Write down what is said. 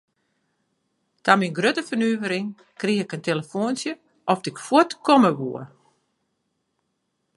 Ta myn grutte fernuvering krige ik in telefoantsje oft ik fuort komme woe.